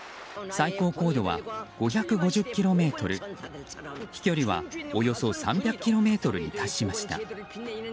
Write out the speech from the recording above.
最高高度は５５０ｋｍ飛距離はおよそ３００ｋｍに達しました。